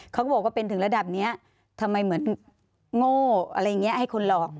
เขาก็บอกว่าเป็นถึงระดับนี้ทำไมเหมือนโง่อะไรอย่างนี้ให้คนหลอก